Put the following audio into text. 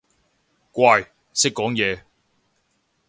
乖，識講嘢